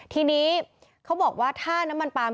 ทีนี้เขาบอกว่าถ้าน้ำมันปาล์ม